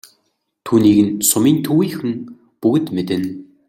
Түүнийг нь сумын төвийнхөн бүгд мэднэ.